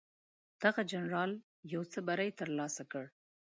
دغه جنرال یو څه بری ترلاسه کړ.